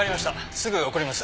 すぐ送ります」